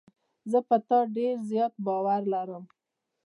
زه په تا ډېر زیات باور لرم.